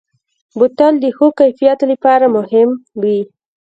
بوتل د ښو کیفیت لپاره مهم وي.